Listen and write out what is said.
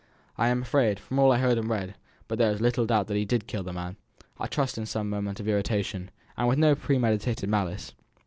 "I am afraid, from all I heard and read, there is but little doubt that he did kill the man; I trust in some moment of irritation, with no premeditated malice."